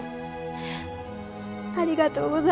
ありがとう。